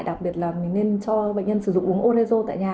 đặc biệt là mình nên cho bệnh nhân sử dụng uống orezo tại nhà